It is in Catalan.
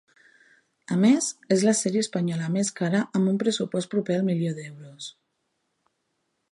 A més és la sèrie espanyola més cara amb un pressupost proper al milió d'euros.